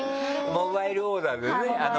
モバイルオーダーでね。